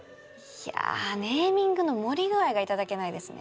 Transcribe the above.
いやネーミングの盛り具合が頂けないですね。